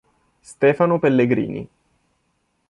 Stefano Pellegrini